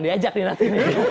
diajak nih nanti